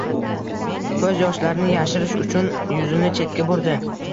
Koʻz yoshlarini yashirish uchun yuzini chetga burdi.